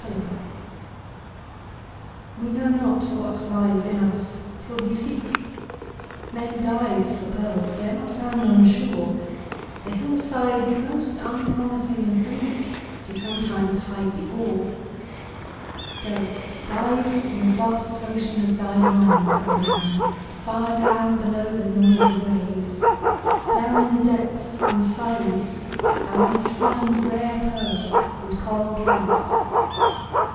HIDDEN GEMS We know not what lies in us, till we seek; Men dive for pearls—they are not found on shore, The hillsides most unpromising and bleak Do sometimes hide the ore. Go, dive in the vast ocean of thy mind, O man! far down below the noisy waves, Down in the depths and silence thou mayst find Rare pearls and coral caves.